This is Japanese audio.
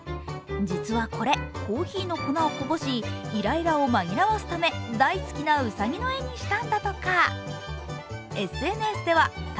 実はこれ、コーヒーの粉をこぼし、イライラを紛らわすため大好きなうさぎの絵にしたんだとか。